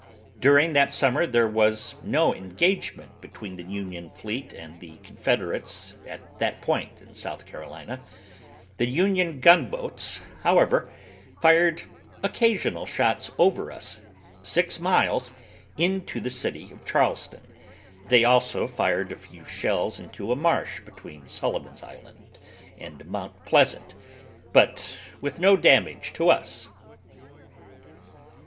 During that summer there was no engagement between the Union fleet and the Confederates at that point in South Carolina. The Union gun boats, however, fired occasional shots over us, six miles, into the city of Charleston. They also fired a few shells into a marsh between Sullivan's Island and Mount Pleasant, but with no damage to us.